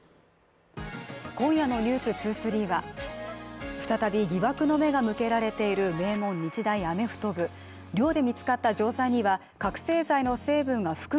今夜の「ｎｅｗｓ２３」は再び疑惑の目が向けられている名門・日大アメフト部あたらしいプレモル！